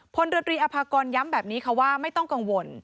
พลเรือตรีอภากรย้ำแบบนี้ค่ะว่าไม่ต้องกังวล